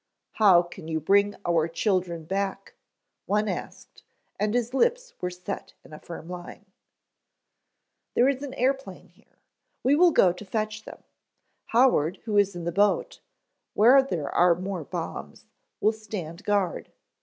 "How can you bring our children back?" one asked and his lips were set in a firm line. "There is an airplane here. We will go to fetch them. Howard, who is in the boat, where there are more bombs, will stand guard.